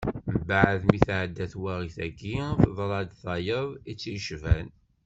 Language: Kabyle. Mbeɛd mi teɛedda twaɣit-agi, teḍra-d tayeḍ i tt-yecban.